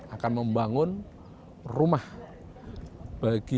akan membangun youtuber elves yang memiliki kode berikut ini